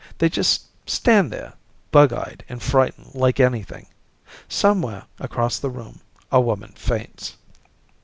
They just stand there, bug eyed and frightened like anything. Somewhere, across the room, a woman faints.